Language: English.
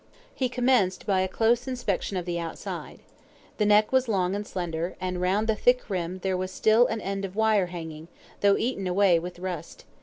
He commenced by a close inspection of the outside. The neck was long and slender, and round the thick rim there was still an end of wire hanging, though eaten away with rust.